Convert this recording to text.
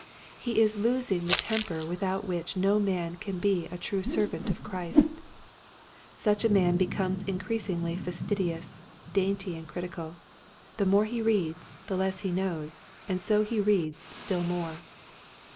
He is losing the temper without which no man can be a true ser vant of Christ. Such a man becomes in creasingly fastidious, dainty and critical. The more he reads the less he knows and so he reads still more.